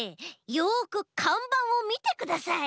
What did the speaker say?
よくかんばんをみてください！